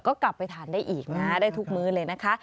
ก็กลับไปทานได้อีกนะได้ทุกมื้อเลยนะคะ